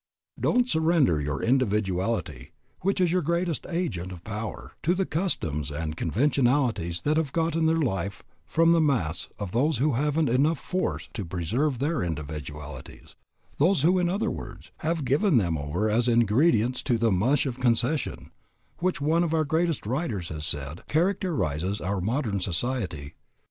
Don't surrender your individuality, which is your greatest agent of power, to the customs and conventionalities that have gotten their life from the great mass of those who haven't enough force to preserve their individualities, those who in other words have given them over as ingredients to the "mush of concession" which one of our greatest writers has said characterizes our modern society.